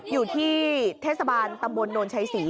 อยู่ที่เทศบาลตำบลโนนชัยศรี